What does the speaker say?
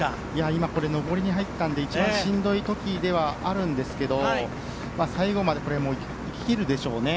今、上りに入ったので一番しんどい時ではあるんですが最後まで行き切るでしょうね。